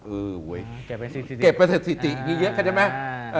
เออเว้ยเก็บไปเสร็จสิทธิเยอะเข้าใจไหม